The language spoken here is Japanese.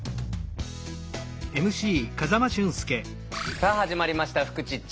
さあ始まりました「フクチッチ」。